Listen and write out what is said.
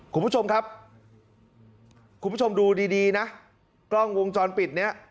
คุณผู้ชมครับคุณผู้ชมดูดีดีนะกล้องวงจรปิดเนี่ย